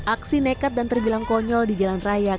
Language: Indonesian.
aksi nekat dan terbilang konyol di jalan raya